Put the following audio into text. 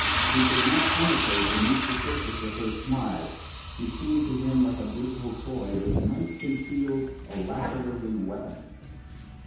He could not penetrate beneath the surface of her smile: she seemed to him like a beautiful toy which might conceal a lacerating weapon.